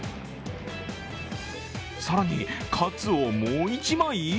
更に、カツをもう１枚？